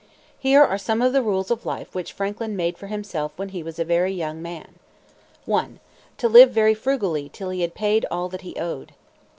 Here are some of the rules of life which Franklin made for himself when he was a very young man: 1. To live very frugally till he had paid all that he owed.